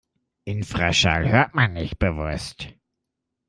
Infraschall hört man nicht bewusst.